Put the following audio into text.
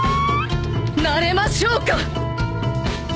なれましょうか！